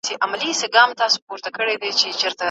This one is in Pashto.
په ټولنه کی د بریا یو راز فعاله ګډون دۍ.